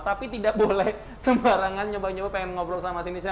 tapi tidak boleh sembarangan nyoba nyoba pengen ngobrol sama mas indonesia